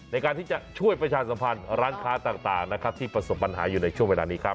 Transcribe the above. ในการที่จะช่วยประชาสัมพันธ์ร้านค้าต่างนะครับที่ประสบปัญหาอยู่ในช่วงเวลานี้ครับ